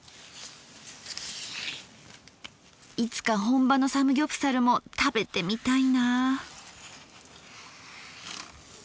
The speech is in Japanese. いつか本場のサムギョプサルも食べてみたいなぁ。